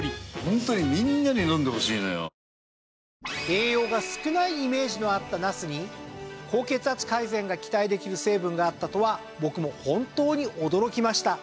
栄養が少ないイメージのあったナスに高血圧改善が期待できる成分があったとは僕も本当に驚きました。